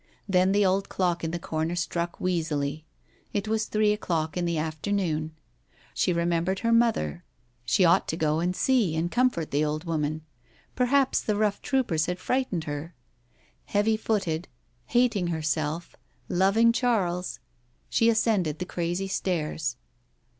TJien the ol"d clock in the corner struck wheezily. It was three o'clock in the afternoon. She remembered her mother. She ought to go and Digitized by Google THE BLUE BONNET 179 see and comfort the old woman. Perhaps the rough troopers had frightened her. Heavy footed, hating herself, loving Charles, she ascended the crazy stairs.